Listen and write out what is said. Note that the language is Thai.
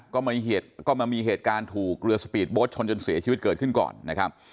ก็มามีเหตุการณ์ถูกเรือสปีดโบ๊ทชนจนเสียชีวิตเกิดขึ้นก่อนนะครับ